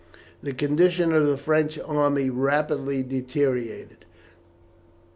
The condition of the French army rapidly deteriorated.